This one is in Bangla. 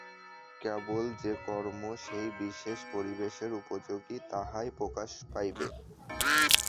কেবল যে কর্ম সেই বিশেষ পরিবেশের উপযোগী, তাহাই প্রকাশ পাইবে।